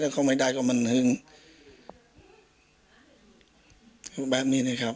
แต่ก็ไม่ได้มีแบบเชิงชู้สาวอะไรใช่มั้ยครับ